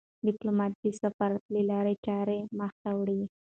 ډيپلومات د سفارت له لارې چارې مخ ته وړي.